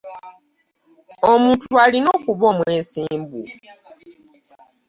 Omuntu alina okuba omwesimbu.